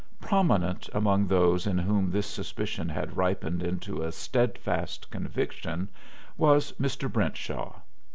Prominent among those in whom this suspicion had ripened into a steadfast conviction was Mr. Brentshaw.